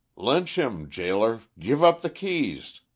"Lynch him! Gaoler, give up the keys!"